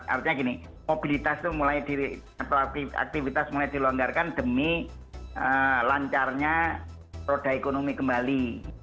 artinya gini mobilitas itu mulai aktivitas mulai dilonggarkan demi lancarnya roda ekonomi kembali